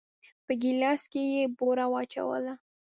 په ګيلاس کې يې بوره واچوله.